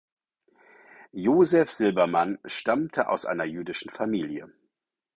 Josef Silbermann stammte aus einer jüdischen Familie.